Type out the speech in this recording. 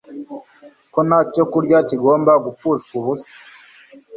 ko nta cyokurya kigomba gupfushwa ubusa.